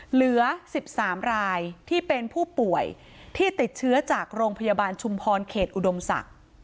เหลือ๑๓รายที่เป็นผู้ป่วยที่ติดเชื้อจากโรงพยาบาลชุมพรเขตอุดมศักดิ์